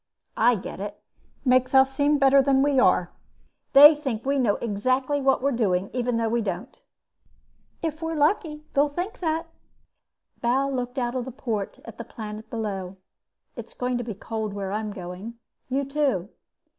"I get it. Makes us seem better than we are. They think we know exactly what we're doing even though we don't." "If we're lucky they'll think that." Bal looked out of the port at the planet below. "It's going to be cold where I'm going. You too.